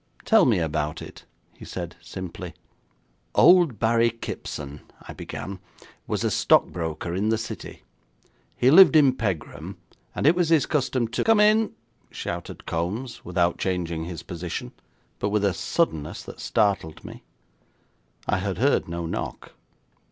'Tell me about it,' he said simply. 'Old Barrie Kipson,' I began, 'was a stockbroker in the City. He lived in Pegram, and it was his custom to ' 'COME IN!' shouted Kombs, without changing his position, but with a suddenness that startled me. I had heard no knock.